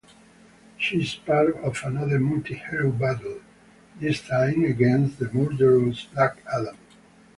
She is part of another multi-hero battle, this time against the murderous Black Adam.